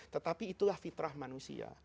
tetapi itulah fitrah manusia